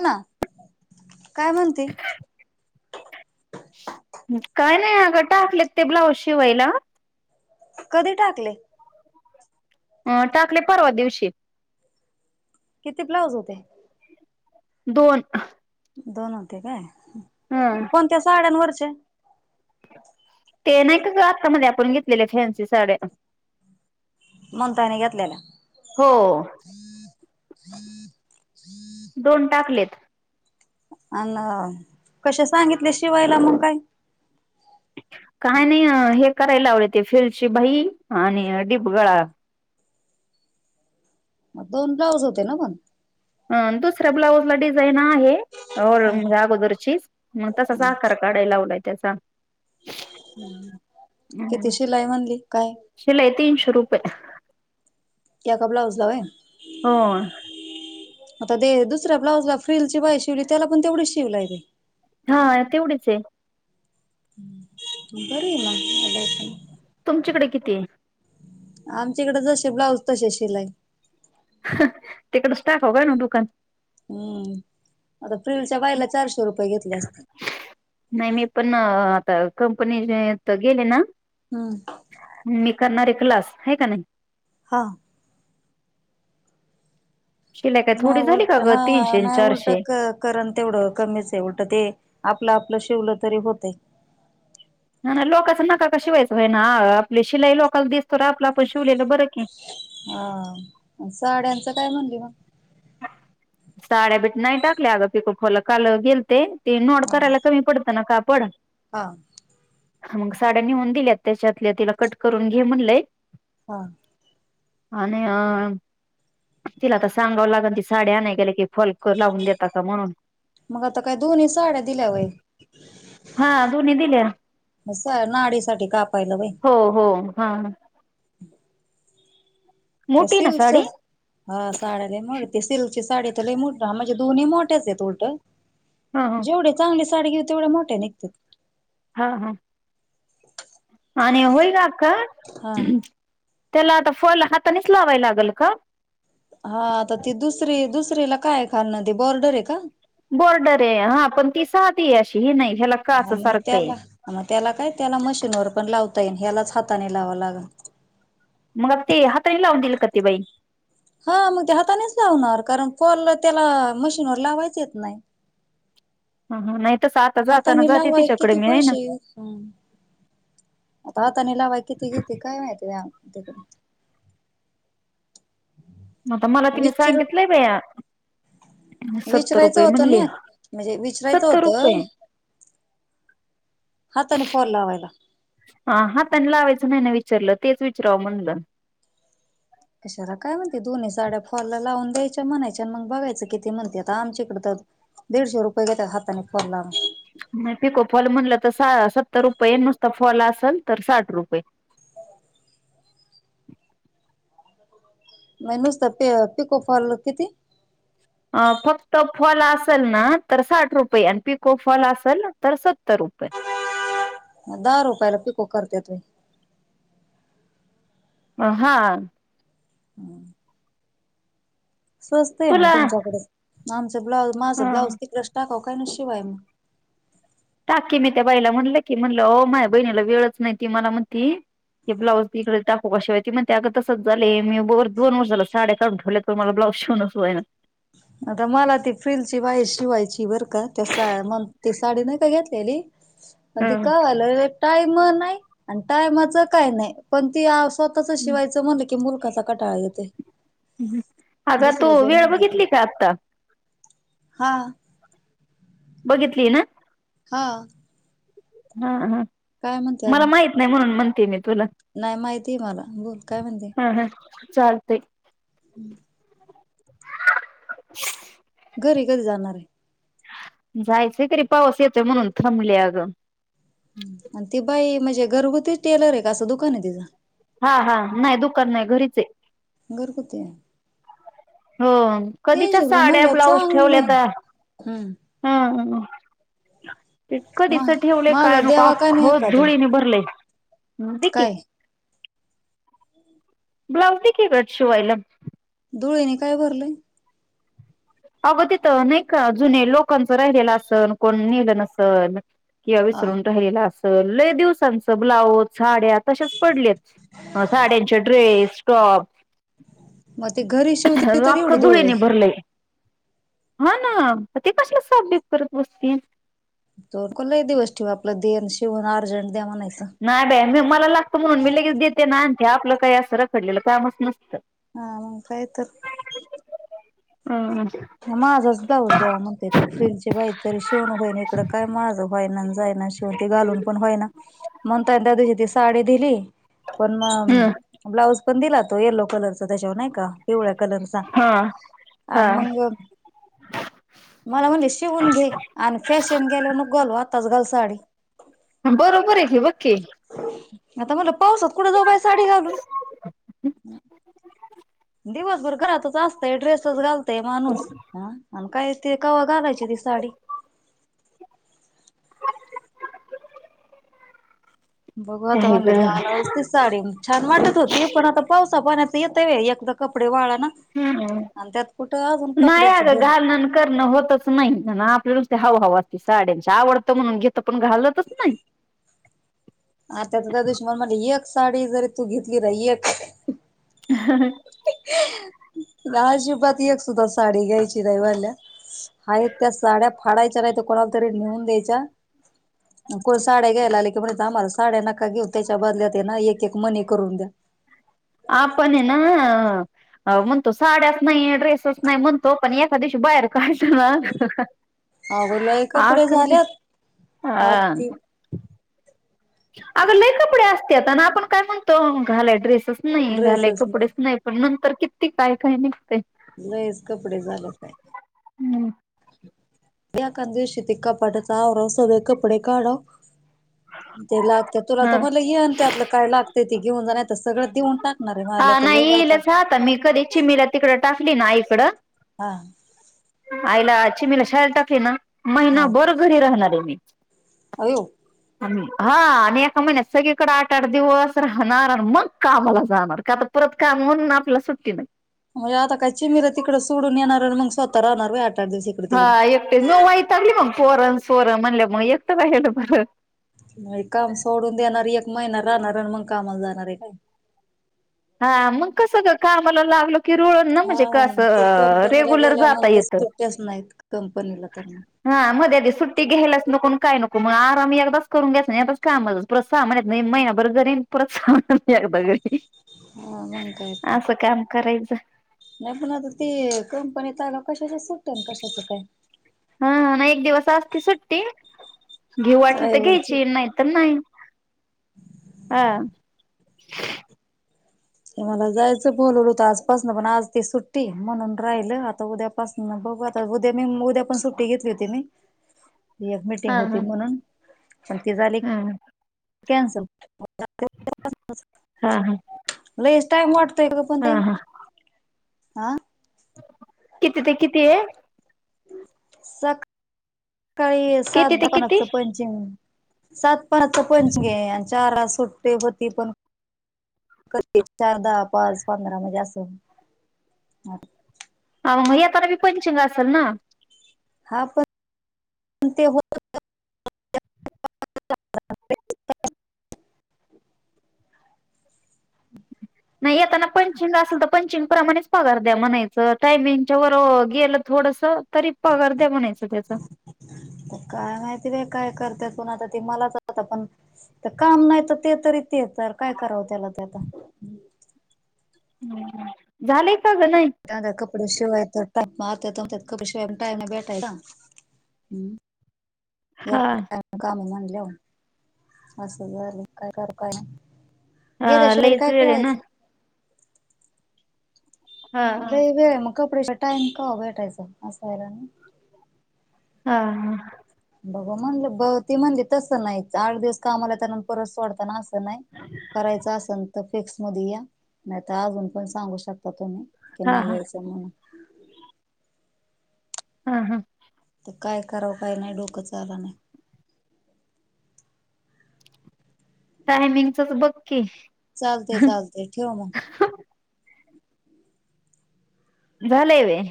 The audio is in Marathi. ना काय म्हणते काय नाही अगं टाकलेत ते ब्लाऊज शिवायला कधी टाकले अं टाकले परवा दिवशी किती ब्लाऊज उज होते दोन दोन होते काय ह पण त्या साड्यांवरचे ते नाही का ग आतामध्ये आपण घेतलेले फॅन्सी साड्या. मणतायने घेतलेला. हो दोन टाकलेत अन कश सांगितले शिवायला मग काय ह. काय नाही हे करायला आवले ते फिलची बाई आणि डीपगळा दोन ब्लाऊज होते ना पण. अ दुसऱ्या ब्लाऊजला डिझाईन आहे. होळ म्हणजे अगोदरचीच म्हण तसा सा आकार काढाय लावलाय त्याचा किती हम् शिलाई म्हणली काय शिलाय तिनशे रुपये [inaudible] एक का बलाऊला व हो आता दे दुसऱ्या ब्लाउजला फ्रिलची बाई शिवली त्याला पण तेवढीच शिवलाय हा तेवढीच आहे बर ना अड तुमच्याकडे किती आहे आमच्याकडं जसे ब्लाउज तसे शिलाई तिकडं स्टाफ हो का ना दुकान हम्म आता फिलच्या बायला चारशे रुपये घेतले असते कंपनीच्या गेलं ना हम्म मी क्लास हे का नाही. हा. शिलाई काय ह थोडी झाली का उलट ग हा तीनशे न नाही चारशे उलट करण तेवढं कमीच आहे उलट ते आपलं ल शिवलं तरी होते. ह ना लोकांचं नका का शिवायचं आहेई ना आपली शिलाई लोकांला दिसतो र आपण शवलेलं बरं हा साड्यांचं काय म्हणलं मग. साड्याबीठ नाही टाकल्या अगं पिकू खोला काल गेल ते. हा तेनोडतारला कमी पडत ना कापड. हा. मग साड्या नेऊन दिल्यात त्याच्यातल्या तिला कट करून घे म्हणलंय हा आणि अ तिला आता सांगाव लागल ती साडी आणाय गेले की फलक लावून देतात. का म्हणून मग आता काय दोन्ही साड्या दिल्या वय हा दोन्ही दिल्या. नाडीसाठी कापायला वय हो हो हा. मोठी ना साडी सिल्कच्या साड्या लय मोठे येतात. सिल्कची साडी तर लय मोठी म्हणजे दोन्ही मोठ्याच आहेत उलट ह ह जेवढे चांगली साडी घेऊ तेवढ्या मोठ्या निघतात. हा हा. आणि होय का का हा त्याला आता फॉल हातानेच लावाय लागेल का? साडीला काय खाल्लंन काय ते बॉर्डर आहे का? बॉर्डर आहे हा पण ती साधी अशी ह नाही. ह्याला काच हा मग सारखं आहे. त्याला मग त्याला काय त्याला मशीन व पण लावत. ह्यालाच हाताने लावां लागल. मग ते हाताणी लावून दिल. का ती बाई हा मग ते हातानेच लावणार कारण फॉल त्याला मशीनवर लावायच येत नाही. हम हा नाही. तसं आता जाताना हातानी जाते लावाय तिच्याकडे किती मी आहे ना. पैसे हम आता हाताने लावायचे किती घेते. काय माहिती व्या [inaudible] मग आता मला तिने विचर सांगितलंय. बाया सत्तर विचरायचं रुपये होतं म्हणली ना म्हणजे विचरायचं सत्तर रुपये होतं हाताने फॉल लावायला. हा हाताने लावायचे नाही ना विचा विचारलं तेच विचारव म्हणलं कशारा काय म्हणती दोन्ही साड्या फॉल लावून द्यायच्या म्हणायच्या आणि मग बघायचं किती म्हणते. आता आमच्याकड तर दीडशे रुपये घेतात हाताने फॉल लावायचे. पिको फॉल म्हणलं तर सत्तर रुपये नुसत फॉल असल तर साठ रुपये [inaudible] म नुसता प पिको फॉल किती अ फक्त फॉल असेल ना तर साठ रुपये आणि पिको फॉल असेल तर सत्तर रुपये ह [inaudible] दहा रुपयाला पिको करतायेत. वय हा. हम. स्वस्तं आहे मग तुला तुमच्याकडे आमचं ब्लाऊज हा माझं ब्लाऊज तिकडेच टाकावं काय शिवाय, टाकी मी त्या बाईला म्हणलं की म्हणलं हो माझ्या बहिणीला वेळच नाही. ती मला म्हणती. ते ब्लाज तिकडे टाकू का शिवायला ती म्हणते अगं तसं झालंय मी बर दोन वर्ष झाला साड्या काढून ठेवलाय मला ब्लाऊ शिवणच होईना. आता मला ती फिलची बाई शिवायची बर का त्या मग ती साडी नाही का घेतलेली. पण ते हं काय झालं टाईम नाही आणि टाईमच काय नाही पण ते स्वतःचं शिवायं म्हणले की मुलखाचा कटाळा येते. अग तू वेळ म्हणलं की बघितली का आत्ता हा बघितली ना हा हा हा काय म्हणते मला अजून माहित नाही. म्हणून म्हणते मी तुला नाही. माहितीय मला बोल काय म्हणते हम हम चालतेय. हम्म [inaudible] घरी कधी जाणार आहे जायचं तरी पाऊस यायचाय म्हणून थांबले अगं आणि ती बाई म्हणजे घरगुती टेलर आहे का असं दुकान आहे तिचं हा हा नाही दुकान नाही घरीच आहे घरगुती आहे हो कधीच्या तीनशे रुपये साड्या म्हणलं ब्लाऊज चांगलंय. ठेवल्याता हम्म. ह त मा कधीच ठेवले काय माझा नको द्यावा का अख्ख नाही एखादा धुळीने भरले हम् देखकी काय ब्लाउज ते के करचु अहिल धुळेने काय भरलंय अगं तिथं नाही का जुने लोकांचं राहिलेलं असल कोण नेलं नसल किंवा हा. विसरून राहिलेलं असल दिवसांचं ब्लाऊज झाड तसेच पडले साड्यांचे ड्रेस टॉप मग ते घरी शिवते तर अख्खं एवढं ोळ आहे धुळीने भरलंय हा ना ते कसले सप्य करत बसते तो कोलाही दिवस ठेवा आपलं देन शिवून अर्जंट द्या म्हणायचं नाही बाई मी मला लागत म्हणून मी लगेच देते नाते आपलं काही असं रखडलेलं कामच नसतं हा मंगग काय तर हम् अ माझाच दाऊस देवा म्हणते ते फिलचे बाई तरी शेवण व्हाईन इकडं काय माझं व्हाय ना जाय शिव ते घालून पण होय ना म्हणता द दिशी ती साडी दिली पण मग हम्म ब्लाऊज पण दिला तो येल्लो कलरचा त्याच्यावर नाही का पिवळ्या कलरचा हा आणि हा मग मला म्हणजे शिवून घे आणि फॅशन गेल नग गल आताच घाल साडे बरोबर आहे हे बकी आता मला पाऊसात कुठ जो बाय साडी घालून दिवसभर घरातच असतय ड्रेसच घालतय माणूस हा आणि काय त कवा घालायची ती साडी [inaudible] बघू आता काय ग म्हणलं जालाती साडी छान वाटत होती पण आता पावसा पाण्यात स ते व एकदा कपडे वला हम्म हम्म नाही अ कपड्याची गं भर घालणं करणं होतच नाही आपल्यालाुते हवा हवा असत ती साड्यांची आवडतं म्हणून घेत पण घालतच नाही आता तर त्या दुशमन म्हला एक साडी जरी तू घेतली रा एक ह ग अजिबात एक सुद्धा साडी घ्यायची दईवाल्या हा त्या साड्या फाडायच्या नाहीत कोणाला तरी लिहून द्यायच्या कोणी साड्या घ्यायला आले की म्हण आम्हाला साड्या नका घेऊ त्याच्या बदल्यात ना एक एक मनी करून द्या अपण ना अ म्हणतो साड्याच नाही ड्रेसच नाही म्हणतो पण एखका दिवशी बाहेर काढत ना अगं लय आ कपडे कती झाल्यात हा आती अग लले कपडे असते आता ना आपण काय म्हणतो घालाय ड्रेस नाही घालाय कपडेच नाही पण नंतर किती काय काय निघतय लयच कपडे झालेच आहे हम् एकाच दिवशी ते कपाटच आवरायचं सगळे कपडे काढवं तेला त्या तुला ह तर म्हलं येन त्यातलं काय लागते ते घेऊन जाण तर सगळं देऊन टाक ह नाही येईलचहता मी कधी चिमला तिकडं टाासली ना इकडं हा आईला चि मला शाल टाके ना हा महिनाभर घरी राहणारे ह अयो हा आणि एका महिन्यात सगळीकडे आठ आठ दिवस राहणार मग कामाला जाणार काता परत काम म्हणून आपल्याला सुट्टी नाही म्हणजे आता काय चिममीर तिकडं सोडून येणार आणि मग स्वतः राहणार आठ दिवस इकडं हा तिकडं. एकटेच मी वाईटगली मग फोरण सोरण म्हणल्या मग एकटं कायलं बर नाही काम सोडून देणार एक महिना राहणार आणि मग कामाला जाणार आहे का [inaudible] हा मग कस ज कामला लागल कि रुळण ना हा म्हणजे कसं ते कंपनीला रेग्युलर गेल्यावर जाता मग तर येत सुट्ट्याच नाहीत कंपनीला तर मग [inaudible] सुट्टी घ्यायच नको काय नको मग आराम एकदाच करून घ्यायच नाहीच कामा सामान येत नाही महिनाभर जरी पु स अदा घरी हा मग काय [inaudible] तर असं काम करायचं नाही पण आता ती कंपनीत आलो क तस सुट ना कस तू काय [inaudible] ते [inaudible] घेऊ वाटली तर रविवारची घ्यायची नाही तर नाही [inaudible] हा [unintelligible] ते मला जायचं बोलवलं होत आजपासन पण आज ती सुट्टी म्हणून राहिल आता उद्यापासन आ उद्या मी उद्या पण सुट्टी घेतली होती मी [inaudible] एक मिटिंग हा होती हा म्हणून पण ते झाले हा [inaudible] कॅन्सल [inaudible] हा हा मला एस टा वाटतय का हा पणही हा [inaudible] हा किती ते किती आहे? सक सकाळी किती सात ते दुकानाच किती पंचिग सात पाचा पंचमी आहे. आणि चार सुट्टे होती पण, कधी चार, दहा, पाच, पंधरा म्हणजे अस मग आताला बी पंचिंग असेल ना हा पण [inaudible] ते होत [unintelligible] [unintelligible] नाही येताना पंचिंग असेल तर पंचिंग प्रमाणेच पगार द्या म्हणायचं टायमिंगच्या वर गेलं थोडस तरी पगार द्या म्हणायचं त्याच काय माहिती रे काय करते कोण आता त मलाच आता पण तर काम नाही तर ते तरी ते तर काय करावं त्याला ते आता [inaudible] झालेय का ग नाही कडे शिवाय टाप आत खप शिवाय टाय नाही भेठाय ना हम् [inaudible] या हा काम [inaudible] असं झाल काय करताय मग? गेल्या हा शिवाय लईच काय वेळ आहे ना कळायचं. हा हा लई वेळ आहे. मग कपडे शिवायला टाइम कव्हा भेटायचा अस आहे ना. हा हा, बघू म्हणल. बघ म्हणते ती म्हणली तसं नाही आठ दिवस कामाला त्या परत सोडताना. नाही करायच असेल तर फिक्स मध्ये या नाही तर अजून पण सांगू शकता तुम्ही. कि हा नाही हा यायचं म्हणुन. हम हम, तर काय करावं काही नाही डोकं चालना. टायमिंगचच बघ की, चालते चालते ठेव मग, झालंय व्हय